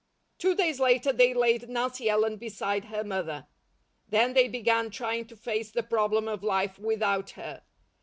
Two days later they laid Nancy Ellen beside her mother. Then they began trying to face the problem of life without her.